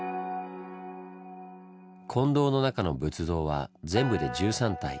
金堂の中の仏像は全部で１３体。